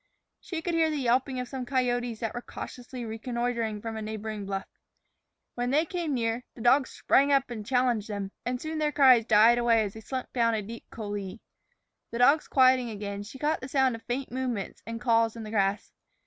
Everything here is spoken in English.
She could hear the yelping of some coyotes that were cautiously reconnoitering from a neighboring bluff. When they came near, the dogs sprang up and challenged them, and soon their cries died away as they slunk down a deep coulée. The dogs quieting again, she caught the sound of faint movements and calls in the grass.